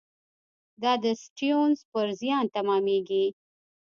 دا د سټیونز پر زیان تمامېږي.